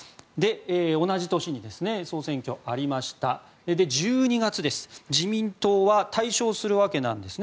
同じ年に総選挙がありました１２月、自民党は大勝するわけなんですね。